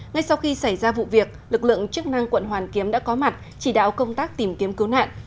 ngay sau khi xảy ra vụ việc lực lượng chức năng quận hoàn kiếm đã có mặt chỉ đạo công tác tìm kiếm cứu nạn